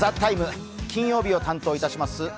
「ＴＨＥＴＩＭＥ，」、金曜日を担当いたします